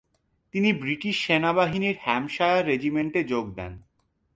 তিনি ব্রিটিশ সেনাবাহিনীর হ্যাম্পশায়ার রেজিমেন্টে যোগ দেন।